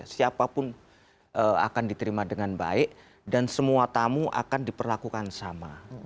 siapapun akan diterima dengan baik dan semua tamu akan diperlakukan sama